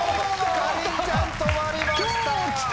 かりんちゃん止まりました。